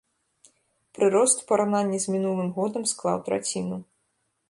Прырост у параўнанні з мінулым годам склаў траціну.